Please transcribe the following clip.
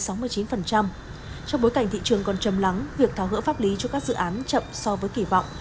trong bối cảnh thị trường còn chầm lắng việc tháo gỡ pháp lý cho các dự án chậm so với kỳ vọng